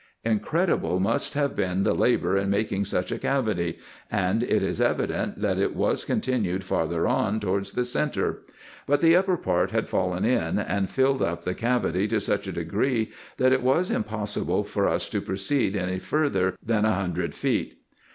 Incredible must have been the labour in making such a cavity, and it is evident, that it was continued farther on towards the centre ; but the upper part had fallen in, and filled up the cavity to such a degree, that it was impossible for us to proceed any farther than a hundred feet.